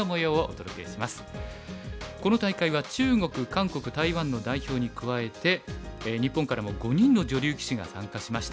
この大会は中国韓国台湾の代表に加えて日本からも５人の女流棋士が参加しました。